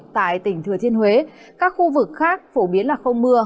tại tỉnh thừa thiên huế các khu vực khác phổ biến là không mưa